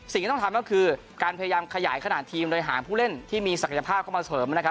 สิ่งที่ต้องทำก็คือการพยายามขยายขนาดทีมโดยหาผู้เล่นที่มีศักยภาพเข้ามาเสริมนะครับ